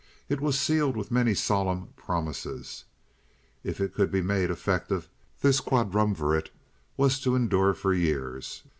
It was sealed with many solemn promises. If it could be made effective this quadrumvirate was to endure for years.